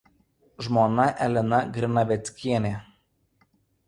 Žmona Elena Grinaveckienė.